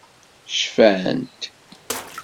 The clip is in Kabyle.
Cfant.